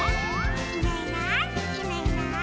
「いないいないいないいない」